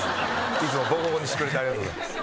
いつもボコボコにしてくれてありがとうございます。